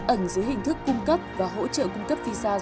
ẩn dưới hình thức cung cấp và hỗ trợ cung cấp visa du lịch